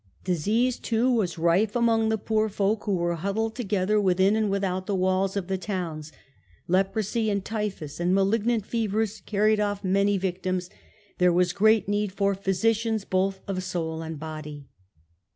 Disease, too, was rife among the poor folk, who were huddled together within and without the walls of the towns; leprosy and (k typhus and malignant fevers carried off many victims. There was great need for physicians both of soul and body.